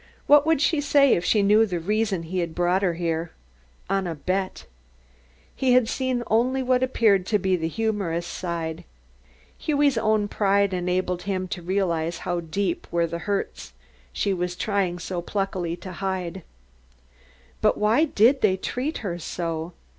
What would she say if she knew the reason he had brought her there? On a bet! He had seen only what appeared to be the humorous side. Hughie's own pride enabled him to realize how deep were the hurts she was trying so pluckily to hide. But why did they treat her so?